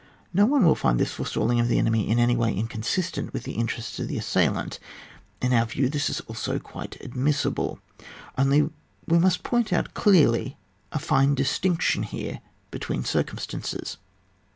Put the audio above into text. No one will find this forestalling of the enemy in any way inconsistent with the interests of tiie assailant ; in our view this is also quite admissible, only we must point out clearly a fine distinc tion here between circumstances.